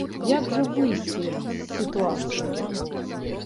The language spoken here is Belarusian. Як жа выйсці з сітуацыі?